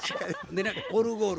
オルゴール